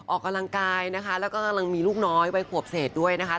ออกกำลังกายนะคะแล้วก็กำลังมีลูกน้อยวัยขวบเศษด้วยนะคะ